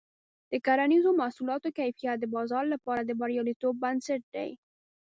د کرنیزو محصولاتو کیفیت د بازار لپاره د بریالیتوب بنسټ دی.